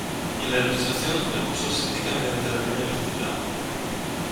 En la ilustración, el cursor se indica mediante la línea vertical.